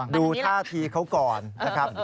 ดูท่าทีเขาก่อนนะครับ